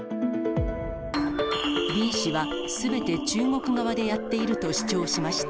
Ｂ氏は、すべて中国側でやっていると主張しました。